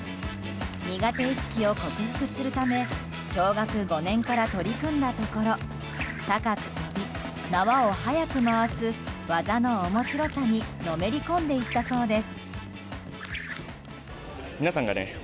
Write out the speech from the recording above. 苦手意識を克服するため小学５年から取り組んだところ高く跳び、縄を速く回す技の面白さにのめり込んでいったそうです。